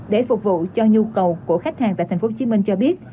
để phục vụ cho nhu cầu của khách hàng tại tp hcm cho biết